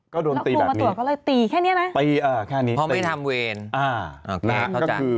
ก็โดนตีแบบนี้ตีแค่นี้นะพอไม่ทำเวร